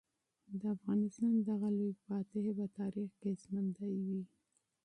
د افغانستان دغه لوی فاتح په تاریخ کې ژوندی دی.